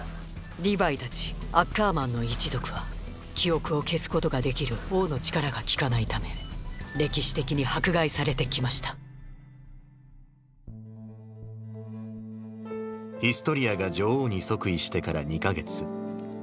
リヴァイたちアッカーマンの一族は記憶を消すことができる王の力が効かないため歴史的に迫害されてきましたヒストリアが女王に即位してから２か月。